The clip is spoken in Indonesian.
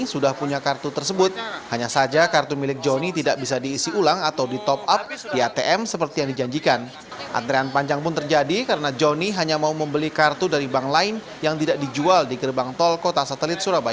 keluaran lainnya ada kartu uang elektronik yang hanya bisa dipakai di jalan tol tertentu saja